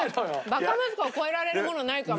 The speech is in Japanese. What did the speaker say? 「バカ息子」を超えられるものないかも。